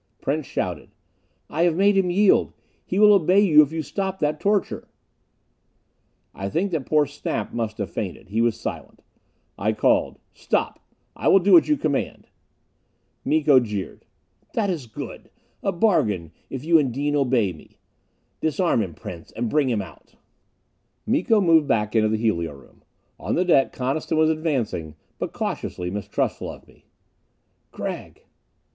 Prince shouted, "I have made him yield. He will obey you if you stop that torture." I think that poor Snap must have fainted. He was silent. I called, "Stop! I will do what you command." Miko jeered, "That is good. A bargain, if you and Dean obey me. Disarm him, Prince, and bring him out." Miko moved back into the helio room. On the deck Coniston was advancing, but cautiously, mistrustful of me. "Gregg."